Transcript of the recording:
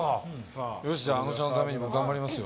あのちゃんのためにも頑張りますよ。